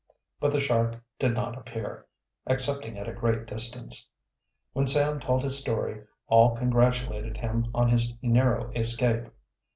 But the shark did not appear, excepting at a great distance. When Sam. told his story all congratulated him on his narrow escape.